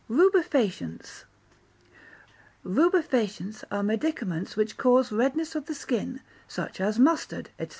Rubefacients Rubefacients are medicaments which cause redness of the skin, such as mustard, &c.